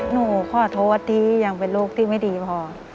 หนูขอโทษที่ยังเป็นลูกที่ไม่ดีพอ